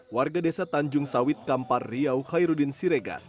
warga desa tanjung sawit kampar riau khairudin siregar